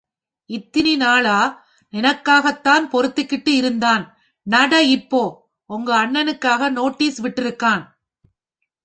இத்தினி நாளா எனக்காகத் தான் பொறுத்துக்கிட்டு இருந்தான்... நட இப்போ ஒங்க அண்ணனுக்காக நோட்டீஸ் விட்டிருக்கான்.